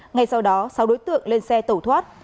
ngay sau đó sáu đối tượng lên xe tẩu thoát